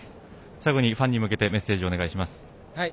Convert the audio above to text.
最後にファンに向けてメッセージお願いします。